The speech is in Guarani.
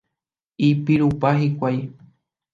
Ipirupa hikuái.